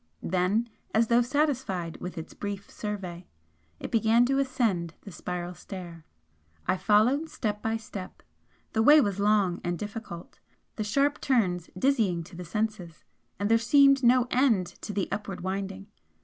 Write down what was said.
Then, as though satisfied with its brief survey, it began to ascend the spiral stair. I followed step by step, the way was long and difficult the sharp turns dizzying to the senses, and there seemed no end to the upward winding.